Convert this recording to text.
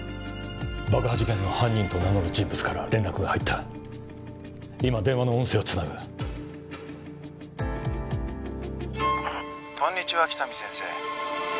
爆破事件の犯人と名乗る人物から連絡が入った今電話の音声をつなぐこんにちは喜多見先生